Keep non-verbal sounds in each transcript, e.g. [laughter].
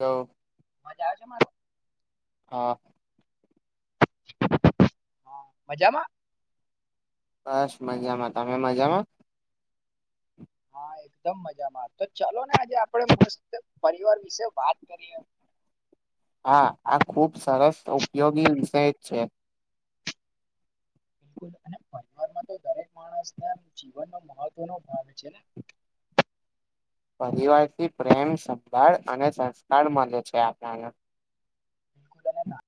તો અવાજ આવે છે? મારો? હા મજામાં? બસ મજામાં? તમે મજામાં? હા એકદમ મજામાં તો ચાલોને આજે આપણે પરિવાર વિશે વાત કરીએ. [inaudible] હા આ ખુબ સરસ ઉપયોગી વિષય છે. બિલકુલ અને પરિવારમાં દરેક માણસને આમ જીવનનો મહત્વનો ભાગ છે ને! પરિવારથી પ્રેમ સંભાળ અને સંસ્કાર મળે છે આપણને. બિલકુલ અને ના..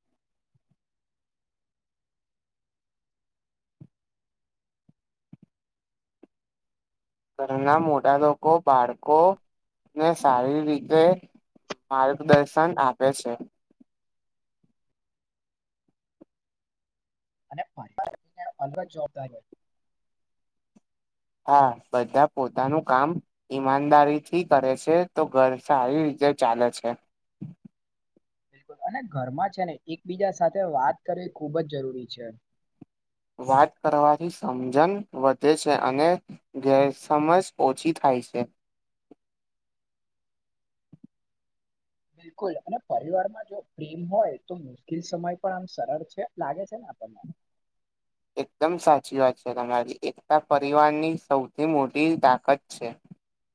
ઘરના મોટા લોકો બાળકોને સારી રીતે માર્ગદર્શન આપે છે. અને [unintelligible] અઢળક જવાબદારી હોય હા બધા પોતાનું કામ ઈમાનદારીથી કરે છે તો ઘર સારી તે ચાલે છે. [inaudible] બિલકુલ અને ઘરમાં છે ને એકબીજા સાથે વાત કરવી ખૂબ જ જરૂરી છે વાત કરવાથી સમજણ વધે છે અને ગેરસમજ ઓછી થાય પૈ છે [unintelligible] બિલકુલ અને પરિવારમાં જો પ્રેમ હોય તો મુશ્કેલ સમય પણ આમ સરળ છે લાગે છે ને [unintelligible] એકદમ સાચી વાત છે તમારી એકતા પરિવારની સૌથી મોટી તાકાત છે [unintelligible]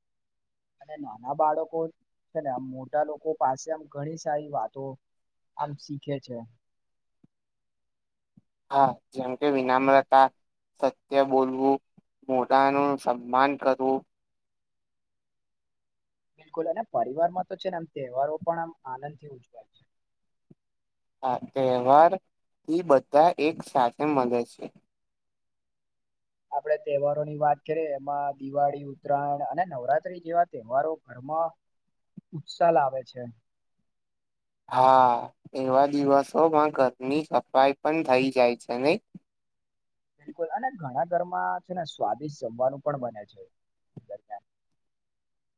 અને નાના બાળકો છે ને આમ મોટા લોકો પાસે આમ ઘણી સારી વાતો હલ્ શીખે છે હા જેમ કે વિનામ્રતા સત્ય બોલવું મોટા નું સન્માન કરવું બિલકુલ અને પરિવારમાં તો છે ને આમ તહેવારો પણ આમ આનંદથી ઉજવાય છે આ તહેવાર થી બધા એક સાથે મળે છે આપડે તહેવારો ની વાત કરીએ એમાં દિવાળી ઉત્તરાયણ અને નવરાત્રી જેવા તહેવારોર ઉત્સલ આવ આવેે છે હા એવા દિવસોમાં ઘરની સફાઈ પણ થઈ જાય છે નહી બિલકુલ અને ઘણા ઘરમાં છે ને સ્વાદિષ્ટ જમવાનું પણ બને છે [unintelligible]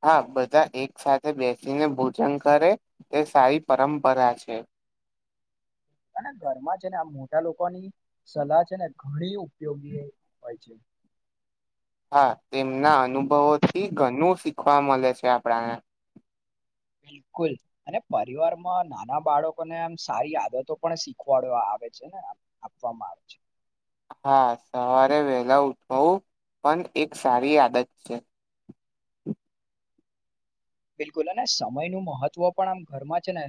હા બધા એક સાથે બેસીને ભોજન કરે તે સારી પરંપરા છે [unintelligible] અને ઘરમાં છે ને આ મોટા લોકોની સલાહ છે ને ઘણી ઉપયોગી હોય છે [unintelligible] હા તેમના અનુભવોથી ઘણું શીખવા મળે છે આપણાને બિલકુલ અને પરિવારમાં નાના બાળકોને એમ સારી આદતો પણ શીખવાડ્યો આવે છે આપવામાં આવે છે હા સવારે વેલા ઉઠું પણ એક સારી આદત છે બિલકુલ અને સમય ન મહત્વ પણ આમ ઘરમાં છે ને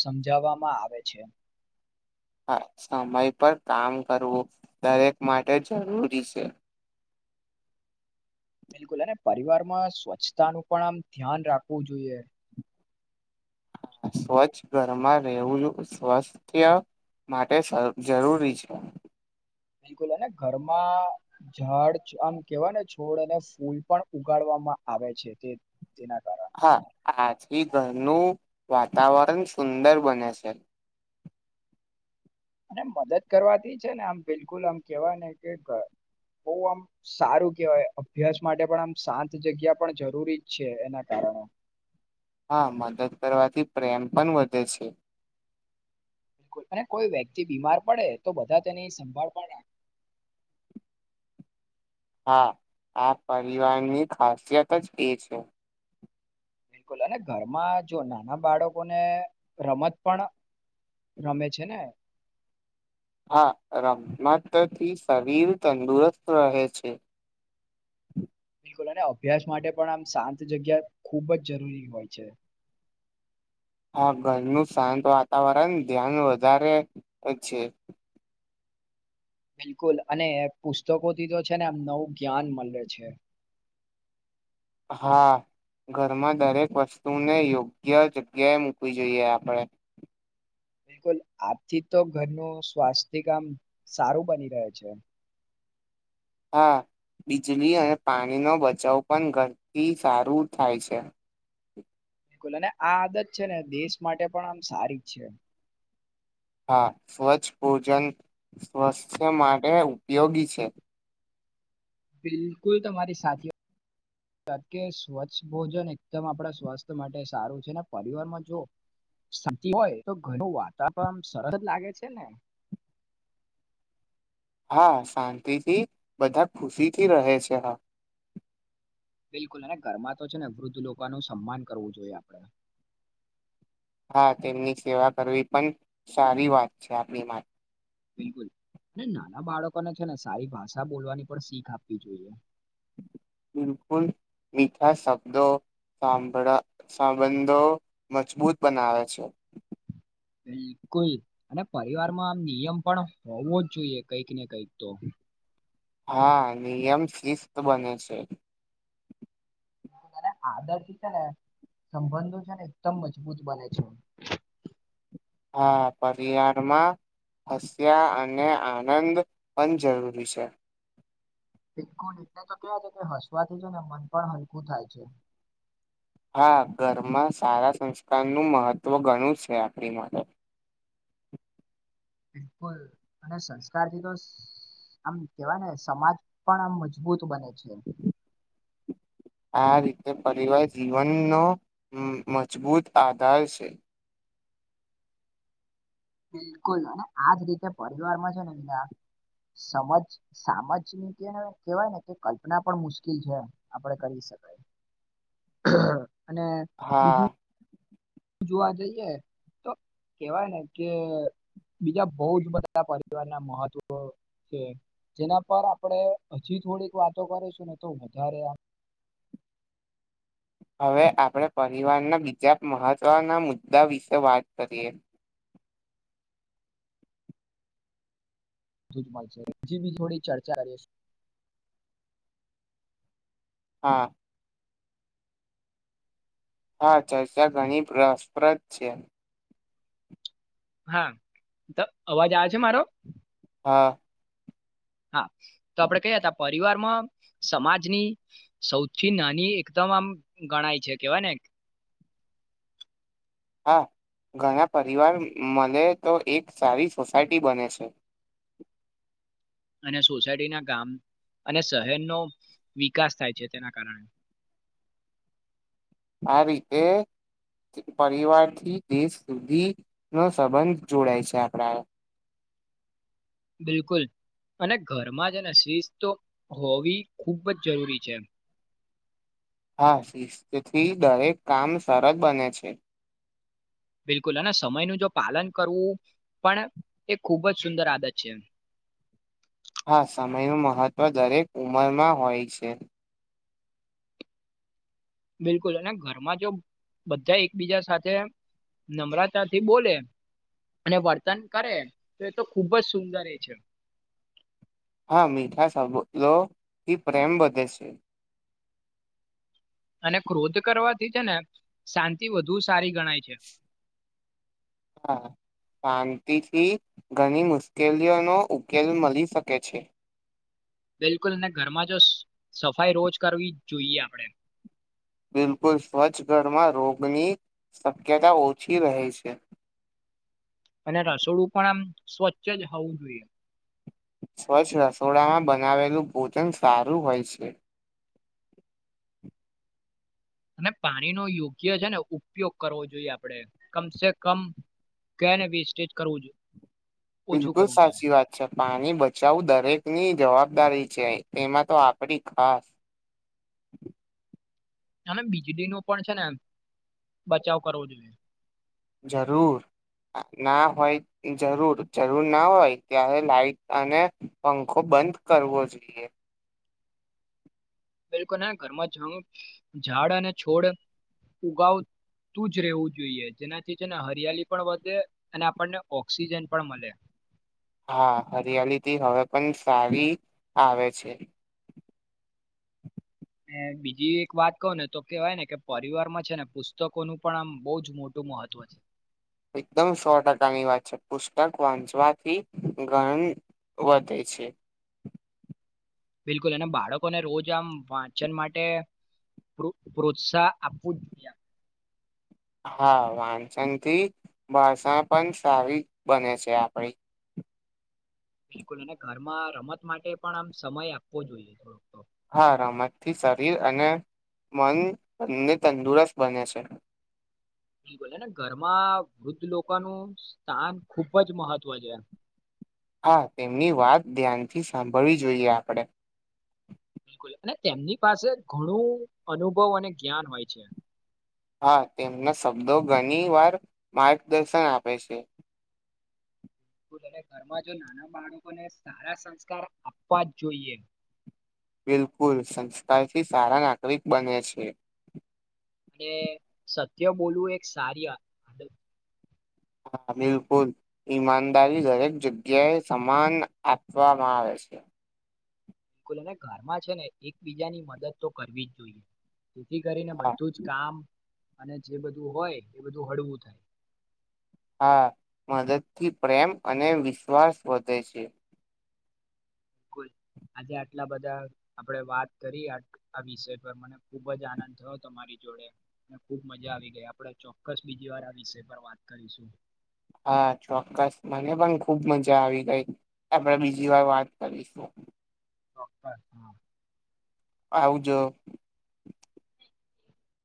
સમજાવવામાં આવે છે હા સમય પર કામ કરવું દરેક માટે જરૂરી છે બિલકુલ અને પરિવારમાં સ્વચ્છતાનુંું પણ આમ ધ્યાન રાખવું જોઈએ સ્વચ્છ ઘરમાં રહેવું જો સ્વસ્થ માટે જરૂરી છે બિલકુલ અને ઘરમાં જડ આમ કેવાય ને છોડ અને ફૂલ પણ ઉગાડવા આવે છે તેના કારણે હા આજથી ઘરનું વાતાવરણ સુંદર બને છે અને મદદ કરવાથી છે ને આમ બિલકુલ આમ કેવા ને કે બહ આમ સારું કેહેવાય અભ્યાસ માટે પણ આમ શાંત જગ્યા પણ જરૂરી જ છે એના કારણે [unintelligible] હા મદદ કરવાથી પ્રેમ પણ વધે છે બિલકુલ અને કોઈ વ્યક્તિ બીમાર પડે તો બધા તેની સંભાળ પણ રાખે હા આ પરિવારની ખાસિયત જ એ છે બિલકુલ અને ઘરમાં જો નાના બાળકોને રમત પણ રમે છે ને હા રમમાતથી શરીર તંદુરસ્ત રહે છે [unintelligible] અને અભ્યાસ માટે પણ આમ શાંત જગ્યા ખૂબ જ જરૂરી હોય છે હા ઘરનું શાંત વાતાવરણ ધ્યાન વધારે છે બિલકુલ અને પુસ્તકોથી તો છે ને આમ નવું જ્ઞાન મળે છે હા ઘરમાં દરેક વસ્તુને યોગ્ય જગ્યાએ મૂકવી જોઈએ આપણે બિલકુલ હા બીજળી અને પાણીનો બચાવ પણ ઘરથી સારું થાય છે. બિલકુલ અને આ આદત છે ને દેશ માટે પણ આમ સારી જ છે. હા સ્વચ્છ ભોજન સ્વસ્થ માટે ઉપયોગી છે. બિલકુલ તમારી સાથે કારણ કે સ્વચ્છ ભોજન એકદમ આપણા સ્વાસ્થ્ય માટે સારું છે ને પરિવારમાં જો શાંતિ હોય તો ઘરનું વાતાવરણ સરસ જ લાગે છે ને હા શાંતિથી બધા ખુશીથી રહે છે હા બિલકુલ અને ઘરમાં તો છે ને વૃદ્ધ લોકોનું સન્માન કરવું જોઈએ હા તેમની સેવા કરવી પણ સારી વાત છે આપની મા બિલકુલ અને નાના બાળકોને છે ને સારી ભાષા બોલવાની પણ શીખ આપવી જોઈએ. બિલકુલ મીઠા શબ્દો સાંભળા સંબંધો મજબૂત બનાવે છે. બિલકુલ અને પરિવારમાં આમ નિયમ પણ હોવો જ જોઈએ કઈક ને કંઈક તો હા નિયમ શિસ્ત બને છે. અને આદરથી છે ને સંબંધો છે ને એકદમ મજબૂત બને છે. હા પરિવારમાં હસ્યા અને આનંદ પન જરૂરી છે. બિલકુલ એટલે તો કેવ છે કે હસવાથી છે ને મન પણ હલકું થાય છે. હા ઘરમાં સારા સંસ્કારનું મહત્ત્વ ઘણું છે આપણી માટે બિલકુલ અને સંસ્કારથી તો આમ કેવાય ને સમાજ પણ આમ મજબૂત બને છે. આ રીતે પરિવાર જીવનનો મજબૂત આધાર છે. બિલકુલ અને આજ રીતે પરિવારમાં છે ને બીજા સમજ સામજની કે કેવાય ને કે કલ્પના પણ મુશ્કેલ છે આપડે કરી અને હા બીજું જોવા જઈએ તો કેવાય ને કે બીજા બોવ જ બધા પરિવાર ના મહત્વ છે. જેના પર આપણે હજી થોડીક વાતો કરીશું ને તો વધારે હવે આપણે પરિવારના બીજા મહત્વના મુદ્દા વિશે વાત કરીએ. બધું જ મળશે બીજી બી થોડી ચર્ચા કરીશ હા. હા ચર્ચા ઘણી રસપ્રદ છે. હા તો અવાજ આવે છે મારો હા હા તો આપડે કયા હતા પરિવારમાં સમાજની સૌથી નાની એકદમ આમ ગણાય છે કેવાય ને [inaudible] હા ઘણા પરિવાર મલે તો એક સારી સોસાયટી બને છે. અને સોસાયટી ના કામ અને શહેરનો વિકાસ થાય છે તેના કારણે આ રીતે પરિવારથી દેશ સુધી નો સંબંધ જોડાય છે આપડા બિલકુલ. અને ઘરમાં સેને સિસ્ત હોવી ખૂબ જ જરૂરી છે. [unintelligible] હા શીથી દરેક કામ સરળ બને છે. બિલકુલ અને સમયનું જો પાલન કરવું પણ એ ખૂબ જ સુંદર આદત છે. હા સમયનું મહત્વ દરેક ઉંમરમાં હોય છે. બિલકુલ અને ઘરમાં જો બધા એકબીજા સાથે નમ્રતા થી બોલે અને વર્તન કરે તો એ તો ખૂબ જ સુંદર એ છે. હા મીઠા શબલોથી પ્રેમ વધે છે. અને ક્રોધ કરવાથી છે ને શાંતિ વધુ સારી ગણાય છે. હા. શાંતિથી ઘણી મુશ્કેલીઓનો ઉકેલ મળી શકે છે. બિલકુલ અનેને ઘરમાં જો સફાઈ રોજ કરવી જ જોઈએ આપણેે. બિલકુલ સ્વચ્છ ઘરમાં રોગની શક્યતા ઓછી રહે છે. અને રસોડું પણ આમ સ્વચ્છ જ હોવું જોઈએ. સ્વચ્છ રસોડામાં બનાવેલું ભોજન સારું હોય છે. અને પાણીનો યોગ્ય છે ને ઉપયોગ કરવો જોઈએ આપડે કમસે કમ ક્યા નવી સ્ટેજ કરવું જોઈએ. ઓછું બિલકુલ કરવું જોઈએ સાચી વાત છે પાણી બચાવું દરેક ની જવાબ દારી છે એમાં તો આપડી ખાસ. અને વીજળી ન પણ છે ને એમ બચાવ કરવો જોઈએ. જરૂર. ના હોય જરૂર જરૂર ના હોય ત્યારે લાાઈટ અને પંખો બંધ કરવો જોઈએ. બિલકુલ હ ઘરમાં જંગ ઝાડ અને છોડ ઉગાવ તું જ રહેવું જોઈએ જેનાથી છે ને હરિયાલી પણ વધે અને આપણને ઓક્સિજન પણ મળે હા, હરિયાલીથી, હવે પણ સારી આવે છે. બીજી એક વાત કહ ને, તો કેવાય ને કે પરિવારમાં છેને, પુસ્તકોનું પણ આમ બહુજ મોટું મહત્વ છે. એકદમ સો ટકાની વાત છે, પુસ્તક વાંચવાથી ગાળ. વધે છે. બિલકુલ અને બાળકોને, રોજ આમ વાંચન માટે પ્રોત્સાહ આપવો, જ જોઈએ. હા, વાંચનથી, ભષણ પણ સારી બને છે, આપડી. બિલકુલ અને ઘરમાં રમત માટે પણ આમ સમય આપવો જોઈએ, થોડોક તો થી, શરીર અને મનને તંદુરસ્ત બને છે. બિલકુલ એને ઘરમાં વૃદ્ધ લોકોનું સ્થાન ખુબજ મહત્વ જ્યા. હા, તેમની વાત ધ્યાનથી સાંભળવી જોઈએ, આપણે બિલકુલ, અને તેમની પાસે ઘણું અનુભવ અને જ્ઞાન હોય છે. હા, તેમના શબ્દો ઘણી વાર માર્ગદર્શન, આપે છે. ઘરમાં જો નાના બાળકોને, સારા સંસ્કાર આપવા જ જોઈએ. બિલકુલ સંસ્કારથી, સારા નાગરિક બને છે. અને સત્ય બોલવું, એક સારી આદત હા, બિલકુલ ઈમાનદારી દરેક જગ્યાએ સમાન આપવામાં આવે. [unintelligible] બિલકુલ અને ઘરમાં છેને, એકબીજાની મદદ તો કરવી જ જોઈએ. જેથી, કરીને હા બધું જ કામ અને જે બધું હોય, એ બધું હળવું થાય હા, મદદથી પ્રેમ અને વિશ્વાસ વધે છે. કુલ. આજે આટલા બધા આપડે વાત કરીએ, આટલા બધા વિષય પર મને ખુબજ આનંદ થયો હતો મારી જોડે અને ખુબ મજા આવી ગઈ, આપણે ચોક્કસ બીજી વાર આ વિષય પર વાત કરીશું. હા, ચોક્કસ મને પણ ખુબ મજા આવી ગઈ, આપડે બીજી વાર વાત ચોક્કસ હા. આવજો